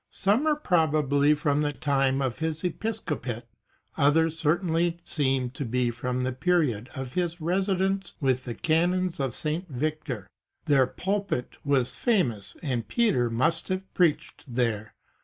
Some are probably from the time of his episcopate, others certainly seem to be from the period of his residence with the canons of St. Victor. Their pulpit was famous, and Peter must also have preached there.